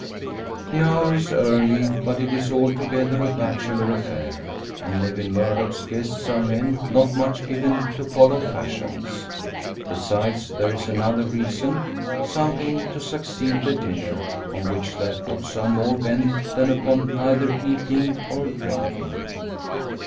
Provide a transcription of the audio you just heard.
The hour is early; but it is altogether a bachelor affair, and Lewin Murdock's guests are men not much given to follow fashions. Besides, there is another reason; something to succeed the dinner, on which their thoughts are more bent than upon either eating or drinking.